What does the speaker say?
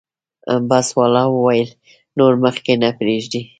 بس والا وویل نور مخکې نه پرېږدي.